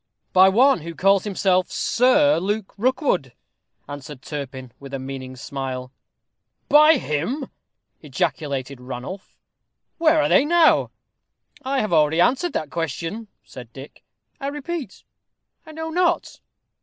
"By one who calls himself Sir Luke Rookwood," answered Turpin, with a meaning smile. "By him!" ejaculated Ranulph. "Where are they now?" "I have already answered that question," said Dick. "I repeat, I know not."